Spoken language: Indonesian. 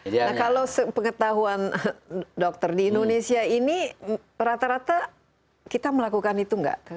nah kalau pengetahuan dokter di indonesia ini rata rata kita melakukan itu nggak